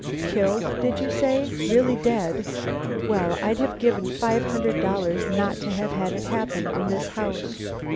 Killed, did you say? Really dead? Well, I'd have given five hundred dollars not to have had it happen in this house."